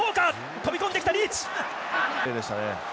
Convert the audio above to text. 飛び込んできた、リーチ！